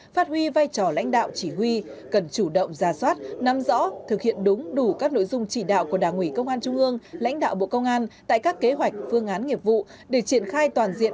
phát huy vai trò lãnh đạo chỉ huy cần chủ động ra soát nắm rõ thực hiện đúng đủ các nội dung chỉ đạo của đảng ủy công an trung ương